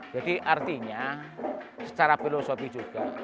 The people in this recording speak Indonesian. jadi artinya secara filosofi juga